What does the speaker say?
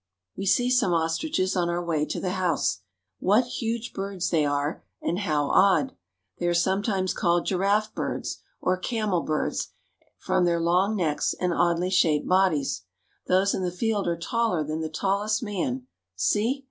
We see some ostriches on our way to the house. What huge birds they are and how odd ! They are sometimes called giraffe birds or camel birds, from their long necks I and oddly shaped bodies. Those in the field are taller I than the tallest man. See!